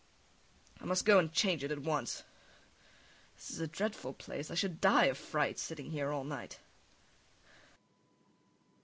I must go and change it at once.... This is a dreadful place, I should die of fright sitting here all night.